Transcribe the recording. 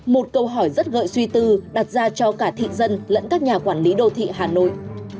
một câu hỏi rất gợi suy tư đặt ra cho cả thị dân lẫn các nhà quản lý đô thị hà nội